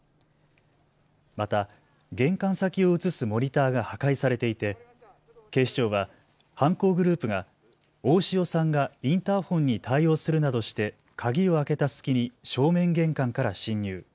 また玄関先を映すモニターが破壊されていて警視庁は犯行グループが大塩さんがインターホンに対応するなどして鍵を開けた隙に正面玄関から侵入。